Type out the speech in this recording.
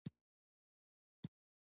د ماش دانه د پوستکي لپاره وکاروئ